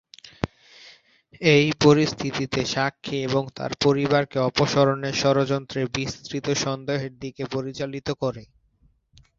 এই পরিস্থিতিতে সাক্ষী এবং তার পরিবারকে অপসারণের ষড়যন্ত্রের বিস্তৃত সন্দেহের দিকে পরিচালিত করে।